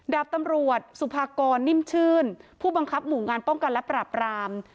ดาบตำรวจสุภากรนิ่มชื่นผู้บังคับหมู่งานป้องกันและปราบราม